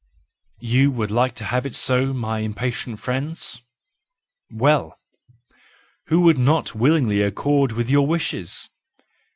—You would like to have it so, my impatient friends? Well! Who would not willingly accord with your wishes?